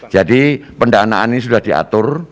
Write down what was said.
jadi pendanaan ini sudah diatur